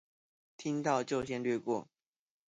聽到就先略過